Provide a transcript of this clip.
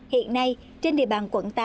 hiện nay trên địa bàn quận tám